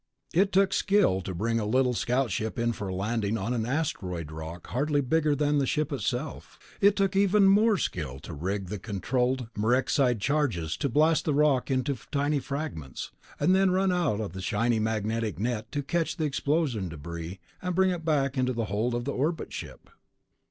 It took skill to bring a little scout ship in for a landing on an asteroid rock hardly bigger than the ship itself; it took even more skill to rig the controlled Murexide charges to blast the rock into tiny fragments, and then run out the shiny magnetic net to catch the explosion debris and bring it in to the hold of the orbit ship....